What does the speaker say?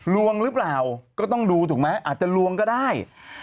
ลวงหรือเปล่าก็ต้องดูถูกไหมอาจจะลวงก็ได้